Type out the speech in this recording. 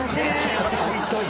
それは置いといて。